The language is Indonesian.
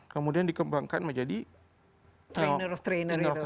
kemudian dikembangkan menjadi trainer of trainer